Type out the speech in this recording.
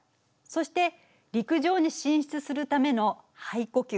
そして陸上に進出するための肺呼吸。